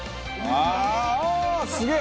ああーすげえ！